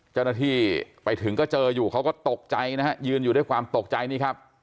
เจ้าหน้าที่ไปถึงก็เจออยู่เขาก็ตกใจนะฮะยืนอยู่ด้วยความตกใจนี่ครับ